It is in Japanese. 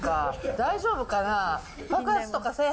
大丈夫かな。